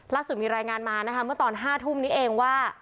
ล่าสุดมีรายงานมานะคะเมื่อตอน๕ทุ่มนี้เองว่า